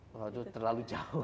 kalau itu terlalu jauh